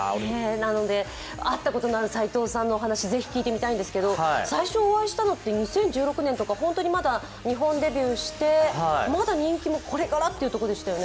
なので会ったことのある斎藤さんのお話、是非聞いてみたいんですけど最初お会いしたのって２０１６年とか、本当に日本デビューしてまだ人気もこれからというところでしたよね？